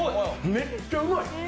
めっちゃうまい！